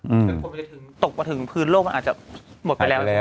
ถึงคนไปถึงตกมาถึงพื้นโลกมันอาจจะหมดไปแล้ว